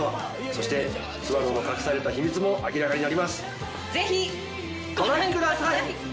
そして、諏訪野の隠された秘密も明らかになります。